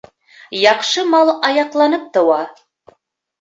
Яҡшы мал аяҡланып тыуа.